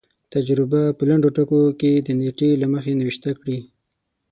تجربه په لنډو ټکو کې د نېټې له مخې نوشته کړي.